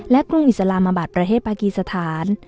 และกรุงอิสลามาบาทประเทศปากรีสถาน